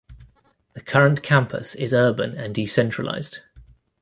The current campus is urban and decentralized.